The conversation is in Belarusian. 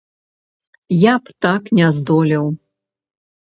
Я б так не здолеў.